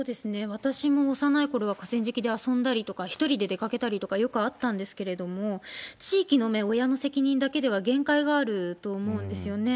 私も幼いころは河川敷で遊んだりとか、１人で出かけたりとかよくあったんですけど、地域の目や親の責任だけでは限界があると思うんですよね。